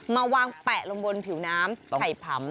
มาวางแปะลงบนผิวน้ำไข่ผำ